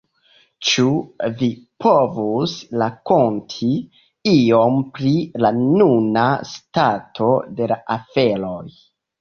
Ĉu vi povus rakonti iom pri la nuna stato de la aferoj?